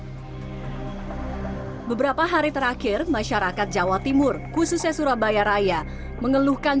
beberapa hari terakhir masyarakat jawa timur khususnya surabaya raya mengeluhkan